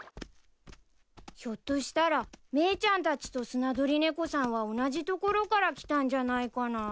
ひょっとしたらメイちゃんたちとスナドリネコさんは同じ所から来たんじゃないかな？